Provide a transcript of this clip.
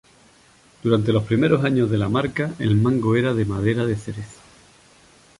Durante los primeros años de la marca, el mango era de madera de cerezo.